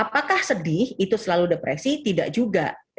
apakah sedih itu selalu depresi tidak juga